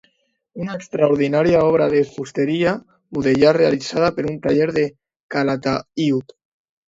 Una extraordinària obra de fusteria mudèjar realitzada per un taller de Calataiud.